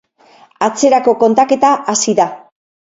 Atzerako kontaketa hasi da.